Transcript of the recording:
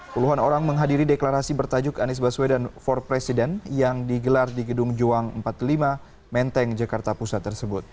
puluhan orang menghadiri deklarasi bertajuk anies baswedan for president yang digelar di gedung juang empat puluh lima menteng jakarta pusat tersebut